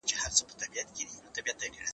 ونې ته اوبه ورکړه!؟